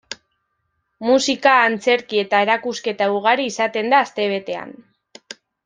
Musika, antzerki eta erakusketa ugari izaten da astebetean.